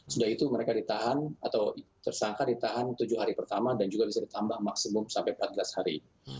sudah itu mereka ditahan atau tersangka ditahan tujuh hari pertama dan juga bisa ditambah maksimum sampai empat belas hari